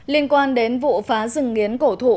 liên quan đến vụ phá rừng nghiến cổ thụ